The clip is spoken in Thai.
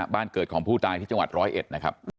บ้านเกิดของผู้ตายที่จังหวัดร้อยเอ็ดนะครับ